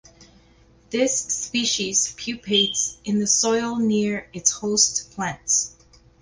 This species pupates in the soil near its host plants.